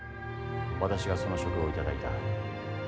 私がその職を頂いた。